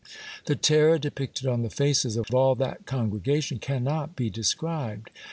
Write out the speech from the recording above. The terror depicted on the faces of all that con gregation cannot be described